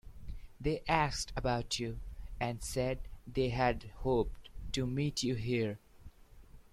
They asked about you and said they had hoped to meet you here.